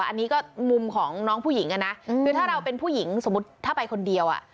อันนี้ก็มุมของน้องผู้หญิงอะนะคือถ้าเราเป็นผู้หญิงสมมุติถ้าไปคนเดียวอ่ะ